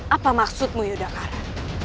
apa maksudmu yudhakara